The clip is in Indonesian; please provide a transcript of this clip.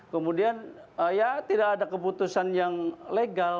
kemudian ya tidak ada keputusan yang legal